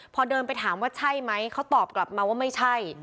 พอเดินไปถามว่าใช่ไหมเขาตอบกลับมาว่าไม่ใช่